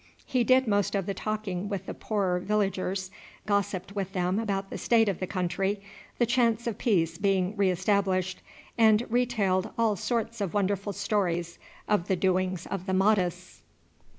He did most of the talking with the poorer villagers, gossiped with them about the state of the country, the chance of peace being re established, and retailed all sorts of wonderful stories of the doings of the Mahdists.